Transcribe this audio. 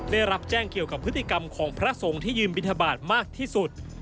ได้รับแจ้งเกี่ยวกับพฤติกรรมของพระสงฆ์ที่ยืนบินทบาทมากที่สุด